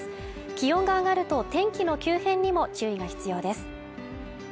気温が上がると天気の急変にも注意が必要です。